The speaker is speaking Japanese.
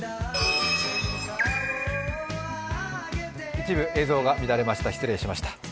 一部映像が乱れました、失礼しました。